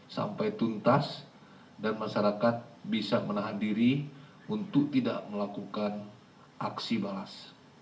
sampai tuntas dan masyarakat bisa menahan diri untuk tidak melakukan aksi balas